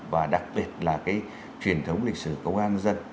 và đặc biệt là cái truyền thống lịch sử công an dân